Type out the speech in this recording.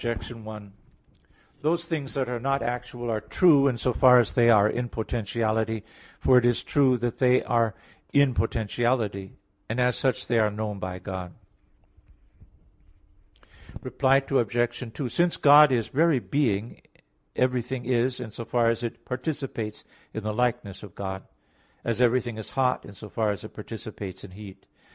1: Those things that are not actual are true in so far as they are in potentiality; for it is true that they are in potentiality; and as such they are known by God. Reply Obj. 2: Since God is very being everything is, in so far as it participates in the likeness of God; as everything is hot in so far as it participates in heat.